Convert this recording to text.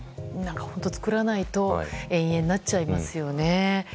作らないと永遠になっちゃいますよね。